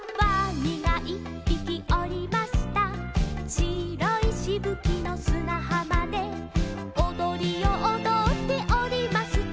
「しろいしぶきのすなはまで」「おどりをおどっておりますと」